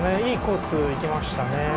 いいコース行きましたね。